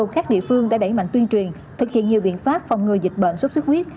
các địa phương đã đẩy mạnh tuyên truyền thực hiện nhiều biện pháp phòng ngừa dịch bệnh sốt xuất huyết